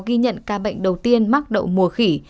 ghi nhận ca bệnh đầu tiên mắc đậu mùa khỉ